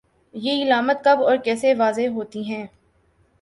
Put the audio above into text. یہ علامات کب اور کیسے واضح ہوتی ہیں